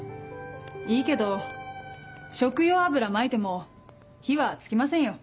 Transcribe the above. いいけど食用油まいても火は付きませんよ。